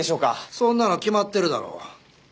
そんなの決まってるだろう。